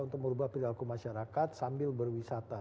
untuk merubah perilaku masyarakat sambil berwisata